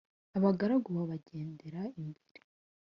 Abagaragu bawe bagendera imbere.